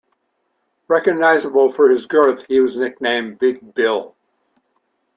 Recognisable for his girth, he was nicknamed "Big Bill".